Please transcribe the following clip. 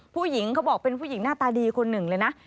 ผู้หญิงเขาบอกเป็นผู้หญิงหน้าตาดีคนหนึ่งเลยนะ